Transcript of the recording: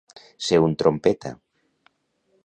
Ser un trompeta.